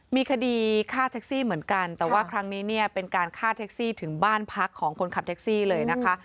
มีคดีฆ่าแท็กซี่เหมือนกันแต่ว่าครั้งนี้เนี่ยเป็นการฆ่าแท็กซี่ถึงบ้านพักของคนขับแท็กซี่เลยนะคะ